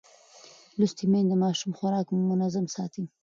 لوستې میندې د ماشوم خوراک منظم ساتي.